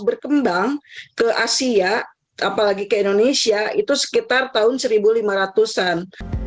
berkembang ke asia apalagi ke indonesia itu sekitar tahun seribu lima ratus an